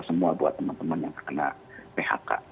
semua buat teman teman yang terkena phk